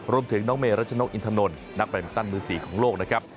รวมถึงน้องเมรัชนกอินทนนท์นักแบมินตันมือ๔ของโลกนะครับ